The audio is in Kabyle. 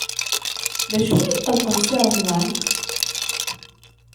D acu i iqellqen Si Remḍan?